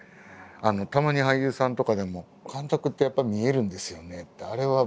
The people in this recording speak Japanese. たまに俳優さんとかでも「監督ってやっぱり見えるんですよね？」